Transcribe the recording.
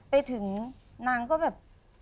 ไปถึงนางก็แบบ